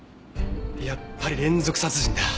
やっぱり連続殺人だ。